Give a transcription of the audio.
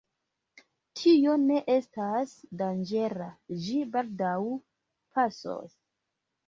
Tio ne estas danĝera, ĝi baldaŭ pasos.